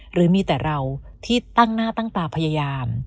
หรือมีแต่เราที่ตั้งหน้าตั้งตาพยายาม